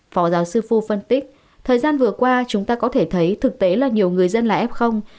phó giáo sư phu phân tích thời gian vừa qua chúng ta có thể thấy thực tế là nhiều người dân là f